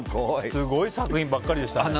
すごい作品ばかりでしたね。